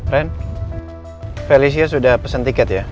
ren felicia sudah pesen tiket ya